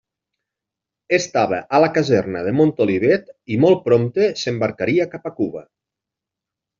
Estava a la caserna de Montolivet, i molt prompte s'embarcaria cap a Cuba.